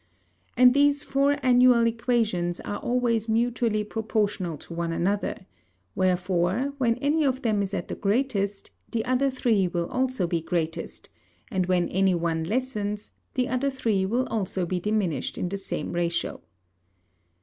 And these four Annual Equations are always mutually proportional one to another: Wherefore when any of them is at the greatest, the other three will also be greatest; and when any one lessens, the other three will also be diminished in the same Ratio.